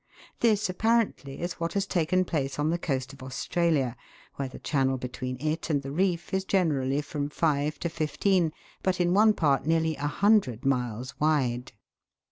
This apparently is what has taken place on the coast of Australia, where the channel between it and the reef is generally from five to fifteen, but, in one part, nearly a hundred miles wide.